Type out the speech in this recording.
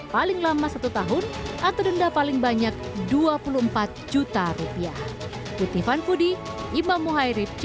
paling lama satu tahun atau denda paling banyak dua puluh empat juta rupiah